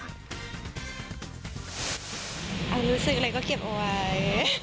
รู้สึกอะไรก็เก็บไว้